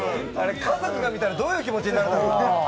家族が見たらどういう気持ちになるだろうな。